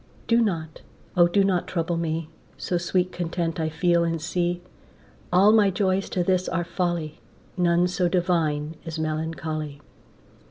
Do not, O do not trouble me, So sweet content I feel and see. All my joys to this are folly, None so divine as melancholy.